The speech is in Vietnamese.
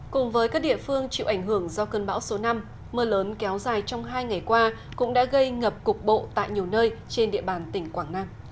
cùng với các địa phương chịu ảnh hưởng do cơn bão số năm mưa lớn kéo dài trong hai ngày qua cũng đã gây ngập cục bộ tại nhiều nơi trên địa bàn tỉnh quảng nam